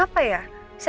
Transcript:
loh emangnya kenapa ya